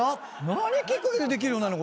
何きっかけでできるようになる？